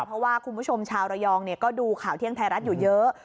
เพราะว่าคุณผู้ชมชาวระยองก็ดูข่าวเที่ยงไทยรัฐอยู่เยอะ